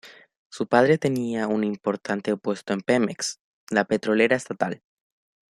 Su padre tenía un importante puesto en Pemex, la petrolera estatal.